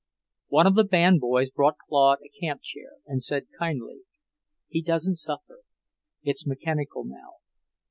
One of the band boys brought Claude a camp chair, and said kindly, "He doesn't suffer. It's mechanical now.